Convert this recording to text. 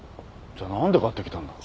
じゃあ何で買ってきたんだ。